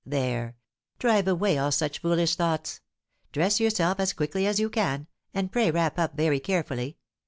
There, drive away all such foolish thoughts! dress yourself as quickly as you can, and pray wrap up very carefully.